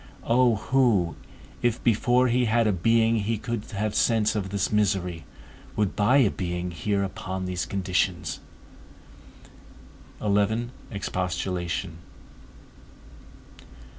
O who, if before he had a being he could have sense of this misery, would buy a being here upon these conditions? XI. EXPOSTULATION.